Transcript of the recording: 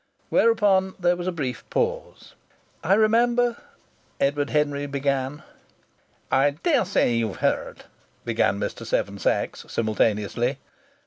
Whereupon there was a brief pause. "I remember " Edward Henry began. "I daresay you've heard " began Mr. Seven Sachs, simultaneously.